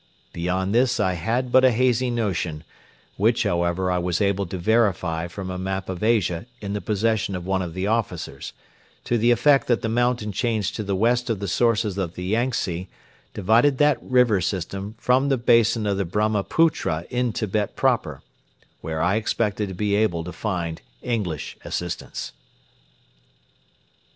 Beyond this I had but a hazy notion, which however I was able to verify from a map of Asia in the possession of one of the officers, to the effect that the mountain chains to the west of the sources of the Yangtze separated that river system from the basin of the Brahmaputra in Tibet Proper, where I expected to be able to find English assistance.